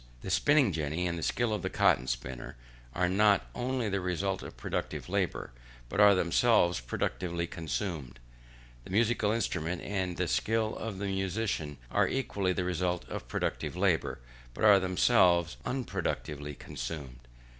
The spinning jenny, and the skill of the cotton spinner, are not only the result of productive labour, but are themselves productively consumed. The musical instrument and the skill of the musician are equally the result of productive labour, but are themselves unproductively consumed.